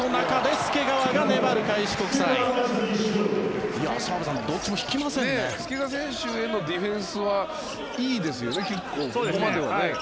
介川選手へのディフェンスはいいですよ、結構ここまでは。